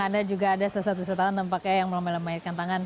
bagaimana juga ada sesuatu wisatawan tampaknya yang melambai lambai ikan tangan